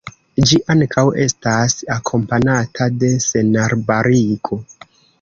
Ĝi ankaŭ estas akompanata de senarbarigo.